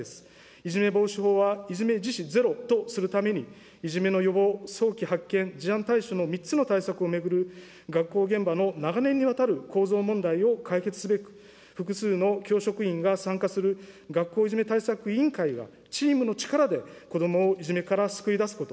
いじめ防止法は、いじめ自死ゼロとするために、いじめの予防、早期発見、事案対処の３つの対策を巡る学校現場の長年にわたる構造問題を解決すべく、複数の教職員が参加する学校いじめ対策委員会が、チームの力で子どもをいじめから救い出すこと、